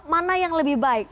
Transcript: mana yang lebih baik